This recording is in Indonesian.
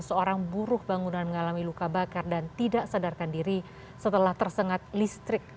seorang buruh bangunan mengalami luka bakar dan tidak sadarkan diri setelah tersengat listrik